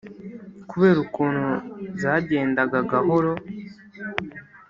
kubera ukuntu zagendaga gahoro,